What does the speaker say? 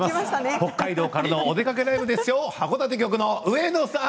北海道からの「おでかけＬＩＶＥ」は函館局の上野さん！